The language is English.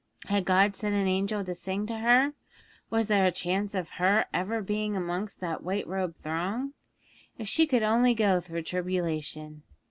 Had God sent an angel to sing to her? Was there a chance of her ever being amongst that white robed throng? If she could only go through tribulation!